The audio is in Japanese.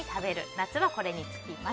夏はこれにつきます。